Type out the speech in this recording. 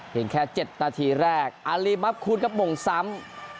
เห็นแค่๗นาทีแรกอารีมับคุ้นกับหมุ่งซ้ำ